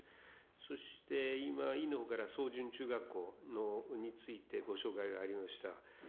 そして今、委員のほうから草潤中学校についてご紹介がありました。